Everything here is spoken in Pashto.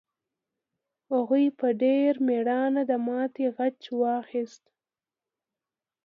هغوی په ډېر مېړانه د ماتې غچ واخیست.